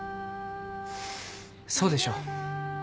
そうでしょ。